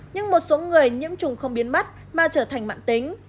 nhưng một số người nhiễm trùng không biến mắt mà trở thành mạng tính